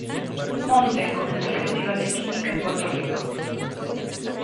Montes comenzó el Festival de Química en Puerto Rico.